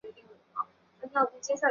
嘉庆十九年登甲戌科进士。